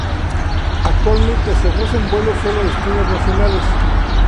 Actualmente se ofrecen vuelos sólo a destinos nacionales.